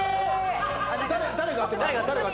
誰が当てました？